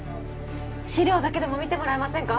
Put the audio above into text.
資料だけでも見てもらえませんか